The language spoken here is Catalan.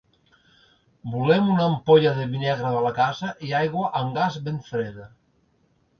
Volem una ampolla de vi negre de la casa, i aigua amb gas ben freda.